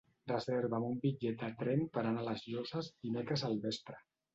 Reserva'm un bitllet de tren per anar a les Llosses dimecres al vespre.